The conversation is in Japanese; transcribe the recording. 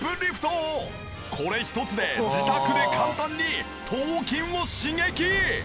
これ１つで自宅で簡単に頭筋を刺激。